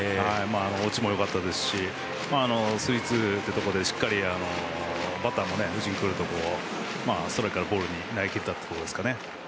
落ちも良かったですしスリー、ツーのところでしっかりバッターの打ちにくいところストライクからボールに投げ切ったというところですかね。